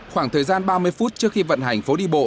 khoảng thời gian ba mươi phút trước khi vận hành phố đi bộ